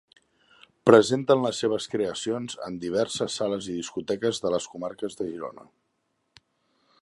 Presenten les seves creacions en diverses sales i discoteques de les comarques de Girona.